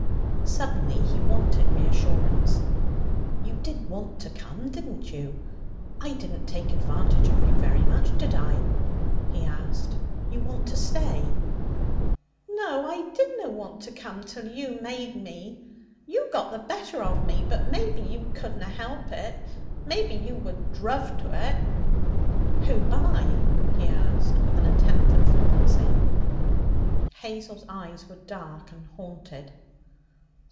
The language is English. Suddenly he wanted reassurance. 'You did want to come, didn't you? I didn't take advantage of you very much, did I?' he asked. 'You want to stay?' 'No, I didna want to come till you made me. You got the better of me. But maybe you couldna help it. Maybe you were druv to it.' 'Who by?' he asked, with an attempt at flippancy. Hazel's eyes were dark and haunted.